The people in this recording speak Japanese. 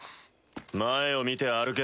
前を見て歩け。